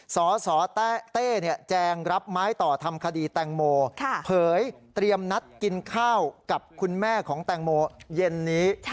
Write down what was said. สสเต้แจงรับไม้ต่อทำคดีแตงโมเผยเตรียมนัดกินข้าวกับคุณแม่ของแตงโมเย็นนี้